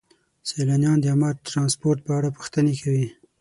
سیلانیان د عامه ترانسپورت په اړه پوښتنې کوي.